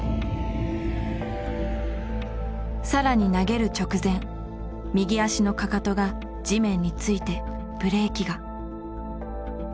更に投げる直前右足のかかとが地面についてブレーキが。